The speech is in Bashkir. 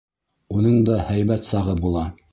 Уның да һәйбәт сағы була.